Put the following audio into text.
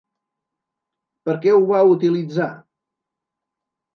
Per què ho va utilitzar?